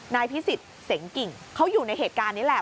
นายพิสิทธิ์เสงกิ่งเขาอยู่ในเหตุการณ์นี้แหละ